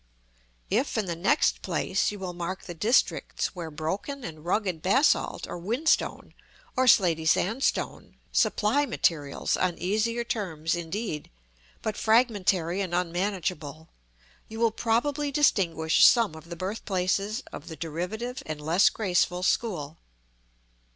If, in the next place, you will mark the districts where broken and rugged basalt or whinstone, or slaty sandstone, supply materials on easier terms indeed, but fragmentary and unmanageable, you will probably distinguish some of the birthplaces of the derivative and less graceful school.